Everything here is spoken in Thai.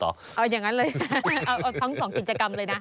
เอาอย่างนั้นเลยนะเอาทั้งสองกิจกรรมเลยนะ